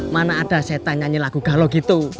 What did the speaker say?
mana ada setan nyanyi lagu galau gitu